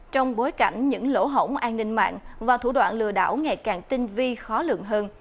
trong bối cảnh những lỗ hổng an ninh mạng và thủ đoạn lừa đảo ngày càng tinh vi khó lượng hơn